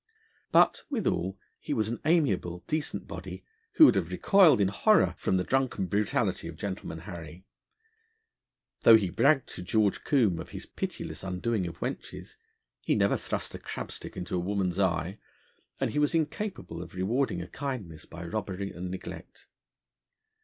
But, withal, he was an amiable decent body, who would have recoiled in horror from the drunken brutality of Gentleman Harry. Though he bragged to George Combe of his pitiless undoing of wenches, he never thrust a crab stick into a woman's eye, and he was incapable of rewarding a kindness by robbery and neglect.